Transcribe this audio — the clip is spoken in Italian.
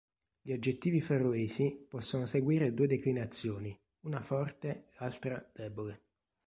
Gli aggettivi faroesi possono seguire due declinazioni, una forte l'altra debole.